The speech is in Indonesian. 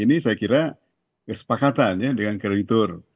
ini saya kira kesepakatan ya dengan kreditur